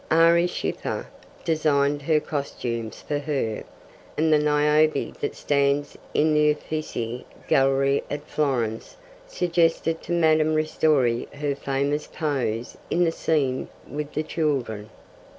Ary Scheffer designed her costumes for her; and the Niobe that stands in the Uffizzi Gallery at Florence, suggested to Madame Ristori her famous pose in the scene with the children.